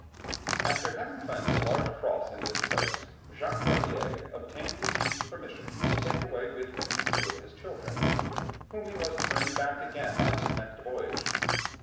After having planted a large cross in this place, Jacques Cartier obtained the chief's permission to take away with him two of his children, whom he was to bring back again on his next voyage.